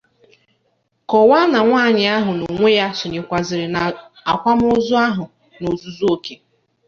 kọwaa na nwaanyị ahụ n'onwe ya sonyèkwàzịrị n'akwamozu ahụ n'ozuzuoke